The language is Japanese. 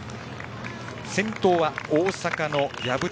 先頭は大阪の薮谷。